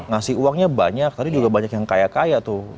ngasih uangnya banyak tadi juga banyak yang kaya kaya tuh